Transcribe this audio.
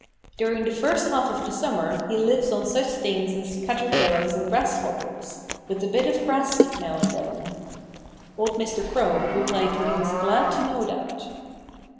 "During the first half of the summer he lives on such things as caterpillars and grasshoppers, with a bit of grass seed now and then." Old Mr. Crow replied that he was glad to know that.